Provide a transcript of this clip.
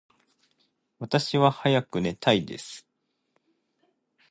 私は早く寝たいです。